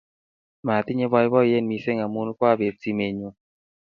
Matinye poipoiyet missing' amin kwaabet simennyu.